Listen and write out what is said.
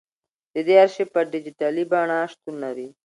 د دې ارشیف په ډیجیټلي بڼه شتون لري.